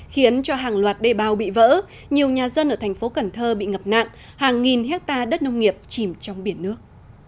khiến cho hàng loạt đề bào bị vỡ nhiều nhà dân ở thành phố cần thơ bị ngập nặng hàng nghìn hectare đất nông nghiệp chìm trong biển nước